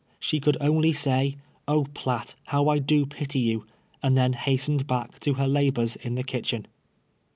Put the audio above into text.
She could only say, "Oh, riatt, Iniw 1 do ])iTy you," and then hastened back to her labors in the kitchen.